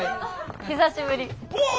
久しぶり。